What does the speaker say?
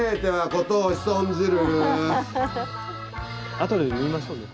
あとで縫いましょうね。